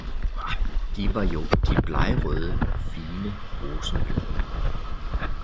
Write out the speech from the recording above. De var jo de blegrøde fine rosenblade